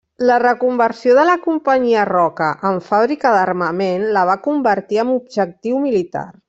La reconversió de la Companyia Roca en fàbrica d’armament la va convertir en objectiu militar.